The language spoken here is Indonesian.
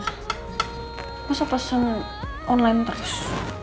nggak usah pesen online terus